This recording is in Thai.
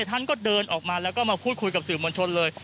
ท่านก็เดินออกมาแล้วก็มาพูดคุยกับสื่อมวลชนเลย